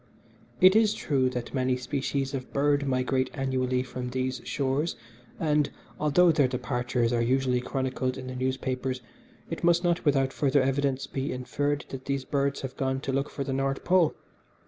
It is true that many species of birds migrate annually from these shores, and, although their departures are usually chronicled in the newspapers, it must not without further evidence be inferred that these birds have gone to look for the North Pole.